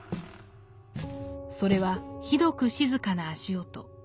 それはひどく静かな足音。